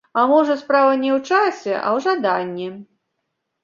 А можа, справа не ў часе, а ў жаданні.